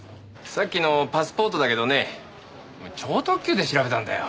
さっきのパスポートだけどねもう超特急で調べたんだよ。